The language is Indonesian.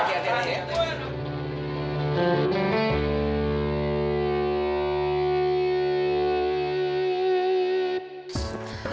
nah kita di depan rumah gitu deh